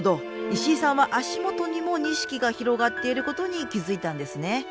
石井さんは足元にも錦が広がっていることに気付いたんですね。